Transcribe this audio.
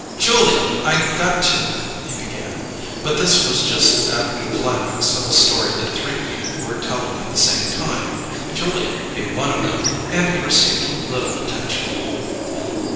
"Julia, I got to " he began. But this was just at the climax of a story that three people were telling at the same time, Julia being one of them, and he received little attention.